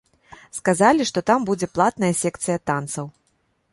Сказалі, што там будзе платная секцыя танцаў.